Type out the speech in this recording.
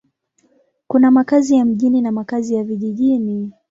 Kuna makazi ya mjini na makazi ya vijijini.